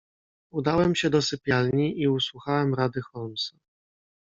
"Udałem się do sypialni i usłuchałem rady Holmesa."